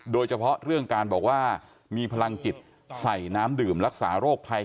โดยเฉพาะเรื่องการบอกว่ามีพลังจิตใส่น้ำดื่มรักษาโรคภัย